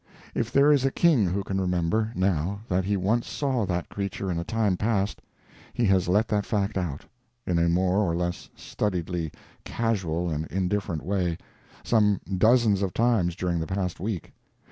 If there is a king who can remember, now, that he once saw that creature in a time past, he has let that fact out, in a more or less studiedly casual and indifferent way, some dozens of times during the past week.